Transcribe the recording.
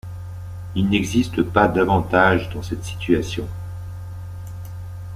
Il n'existe pas d'avantage dans cette situation.